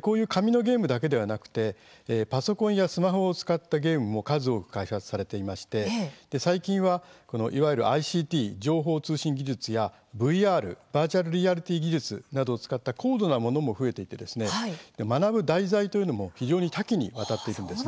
こういう紙のゲームだけではなくてパソコンやスマホを使ったゲームも数多く開発されていまして最近は、いわゆるＩＣＴ＝情報通信技術やＶＲ＝バーチャルリアリティー技術などを使った高度なものも増えていてですね学ぶ題材というのも非常に多岐にわたっているんです。